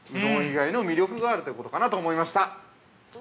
魅力があるということかなと思いました。